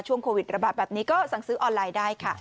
โควิดระบาดแบบนี้ก็สั่งซื้อออนไลน์ได้ค่ะ